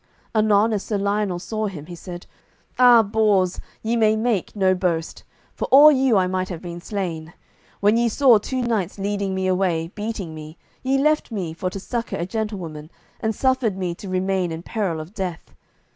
Anon as Sir Lionel saw him he said, "Ah, Bors, ye may make no boast. For all you I might have been slain. When ye saw two knights leading me away, beating me, ye left me for to succour a gentlewoman, and suffered me to remain in peril of death.